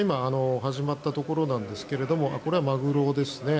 今始まったところなんですがこれはマグロですね。